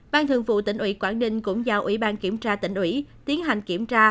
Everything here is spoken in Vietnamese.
ban thường vụ tỉnh ủy quảng ninh cũng giao ủy ban kiểm tra tỉnh ủy tiến hành kiểm tra